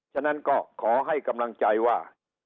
ฉะนั้นก็ขอให้กำลังใจว่า